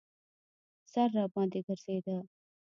سر راباندې ګرځېده.